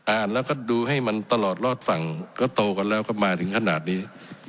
อ่านแล้วก็ดูให้มันตลอดรอดฝั่งก็โตกันแล้วก็มาถึงขนาดนี้